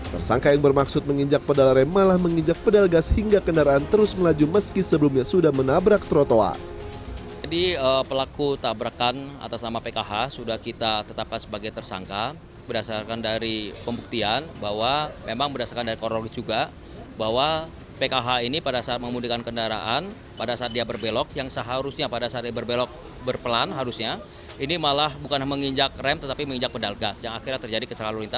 tersangka yang bermaksud menginjak pedal rem malah menginjak pedal gas hingga kendaraan terus melaju meski sebelumnya sudah menabrak trotoa